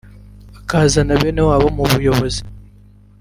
akazana benewabo mu buyobozi